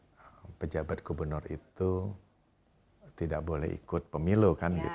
yang pertama pejabat gubernur itu tidak boleh ikut pemilu